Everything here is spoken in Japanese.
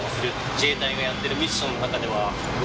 自衛隊がやってるミッションの中ではないと思ってます。